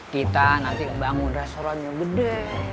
kita nanti bangun restorannya gede